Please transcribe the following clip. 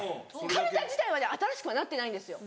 かるた自体はね新しくはなってないんですよ。